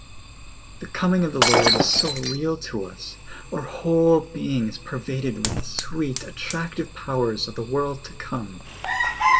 The coming of the lyord is so real to us, our whole being is pervaded with the sweet, attractive powers of the world to come.